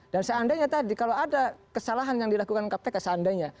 dan seandainya tadi kalau ada kesalahan yang dilakukan kpk seandainya